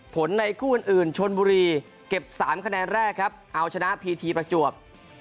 ในคู่อื่นชนบุรีเก็บ๓คะแนนแรกครับเอาชนะพีทีประจวบ